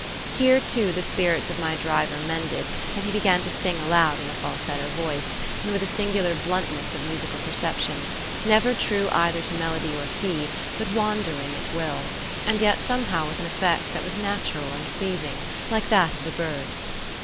Here, too, the spirits of my driver mended, and he began to sing aloud in a falsetto voice, and with a singular bluntness of musical perception, never true either to melody or key, but wandering at will, and yet somehow with an effect that was natural and pleasing, like that of the of birds.